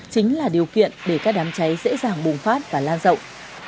chính là điều kiện để các đám cháy dễ dàng bùng phát và lan rộng